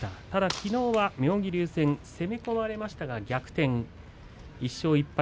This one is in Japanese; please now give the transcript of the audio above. きのうは、妙義龍戦攻め込まれましたが逆転で勝っています、１勝１敗。